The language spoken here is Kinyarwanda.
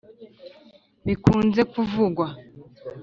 bikunze kuvugwa.